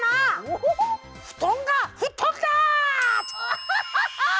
アハハハハ！